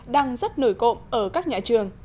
đang rất nổi cộng ở các nhà trường